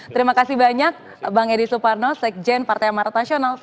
terima kasih banyak bang edi suparno sekjen partai amarat nasional